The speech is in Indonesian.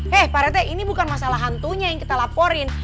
hei pak rete ini bukan masalah hantunya yang kita laporin